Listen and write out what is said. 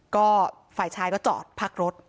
ก็ฝ่ายชายก็จอดพักรถ